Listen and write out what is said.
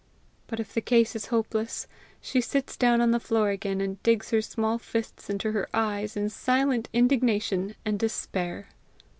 But if the case is hopeless, she sits down on the floor again and digs her small fists into her eyes, in silent indignation and despair.